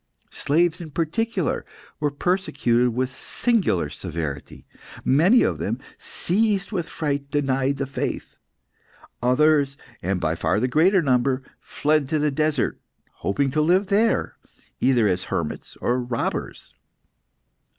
Slaves, in particular, were persecuted with singular severity. Many of them, seized with fright, denied the faith. Others, and by far the greater number, fled to the desert, hoping to live there, either as hermits or robbers.